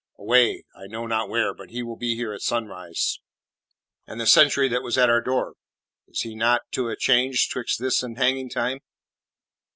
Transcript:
"Away I know not where. But he will be here at sunrise." "And the sentry that was at our door is he not to a changed 'twixt this and hanging time?"